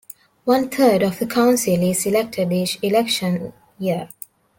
One third of the Council is elected each election year.